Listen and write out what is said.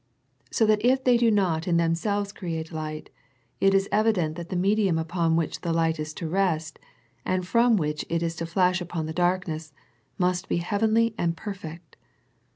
So that if they do not in themselves create light, it is evident that the medium upon which the light is to rest, and from which it is to flash upon the darkness, must be heavenly and perfect.